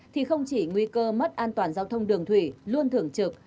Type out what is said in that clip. thì không chỉ nguy cơ mất an toàn giao thông đường thủy luôn thưởng trực